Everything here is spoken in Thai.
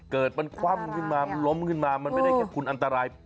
เกิดมันคว่ำขึ้นมามันล้มขึ้นมามันไม่ได้แค่คุณอันตราย